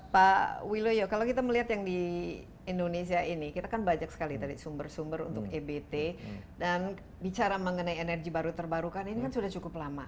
pak wiloyo kalau kita melihat yang di indonesia ini kita kan banyak sekali tadi sumber sumber untuk ebt dan bicara mengenai energi baru terbarukan ini kan sudah cukup lama